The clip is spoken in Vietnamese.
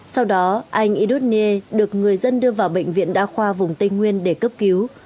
sau đó anh idun ne được người dân đưa vào bệnh viện đa khoa vùng tây nguyên để cấp cứu